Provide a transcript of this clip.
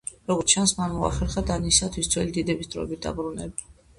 როგორც ჩანს, მან მოახერხა დანიისათვის ძველი დიდების დროებით დაბრუნება.